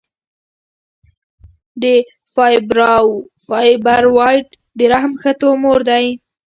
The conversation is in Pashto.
د فایبروایډ د رحم ښه تومور دی.